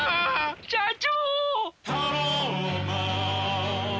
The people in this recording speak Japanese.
社長！